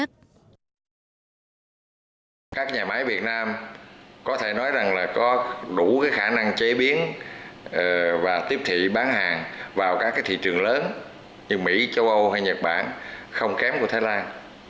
các nhà máy việt nam có thể nói rằng là có đủ khả năng chế biến và tiếp thị bán hàng vào các thị trường lớn như mỹ châu âu hay nhật bản không kém của thái lan